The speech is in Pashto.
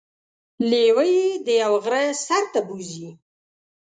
لیوه يې د یوه غره سر ته بوځي.